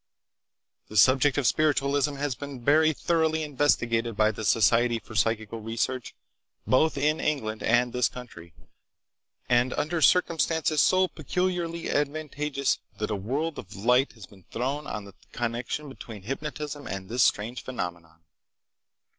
The subject of spiritualism has been very thoroughly investigated by the Society for Psychical Research, both in England and this country, and under circumstances so peculiarly advantageous that a world of light has been thrown on the connection between hypnotism and this strange phenomenon.